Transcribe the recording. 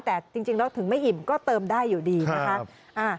แต่จริงแล้วถึงไม่อิ่มก็เติมได้อยู่ดีนะคะ